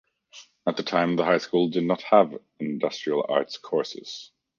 At the time the high school did not have industrial arts courses.